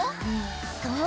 そう。